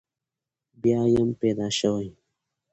بیا یم پیدا شوی.